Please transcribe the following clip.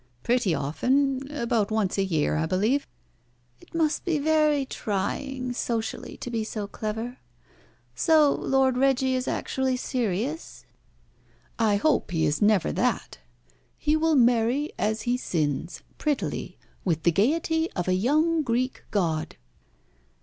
"Pretty often. About once a year, I believe." "It must be very trying socially to be so clever. So Lord Reggie is actually serious?" "I hope he is never that. He will marry, as he sins, prettily, with the gaiety of a young Greek god."